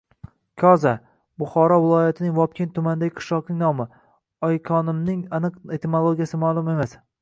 Koza – Buxoro viloyatining Vobkent tumanidagi qishloqning nomi. Oykonimning aniq etimologiyasi ma’lum emas.